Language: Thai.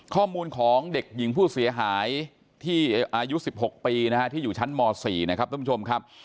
ข้อมูลของเด็กหญิงผู้เสียหายที่อายุ๑๖ปีนะฮะที่อยู่ชั้นม๔นะครับท่านผู้ชมครับ